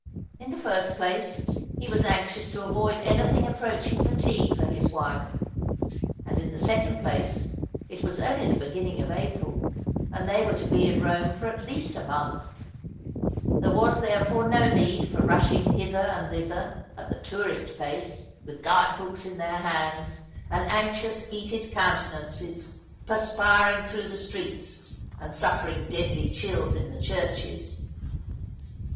In the first place, he was anxious to avoid anything approaching fatigue for his wife ; and in the second place it was only the beginning of April, and they were to be in Eome for at least a month ; there was therefore no need for rushing hither and thither at the tourist pace, with guide books in their hands, and anxious, heated countenances, perspiring through the^streets, and suffering deadly chills in the churches.